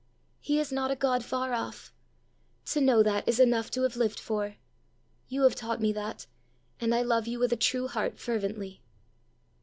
He is not a God far off: to know that is enough to have lived for! You have taught me that, and I love you with a true heart fervently."